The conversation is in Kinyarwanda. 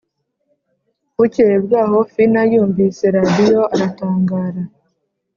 Bukeye bwaho Fina yumvise radiyo aratangara